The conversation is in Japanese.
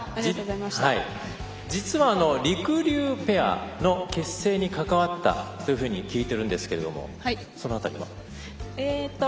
実はりくりゅうペアの結成に関わったというふうに聞いているんですけどもその辺りは？